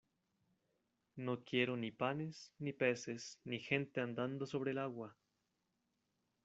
no quiero ni panes, ni peces , ni gente andando sobre el agua